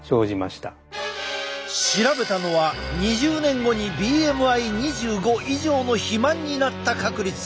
調べたのは２０年後にＢＭＩ２５以上の肥満になった確率。